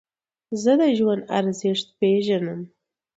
زه د ژوند ارزښت پېژنم.